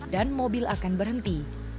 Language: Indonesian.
dan mobil akan berhenti